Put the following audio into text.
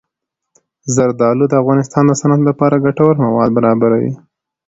زردالو د افغانستان د صنعت لپاره ګټور مواد برابروي.